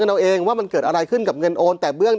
เอาเองว่ามันเกิดอะไรขึ้นกับเงินโอนแต่เบื้อง